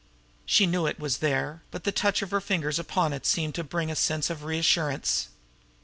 She knew it was there, but the touch of her fingers upon it seemed to bring a sense of reassurance.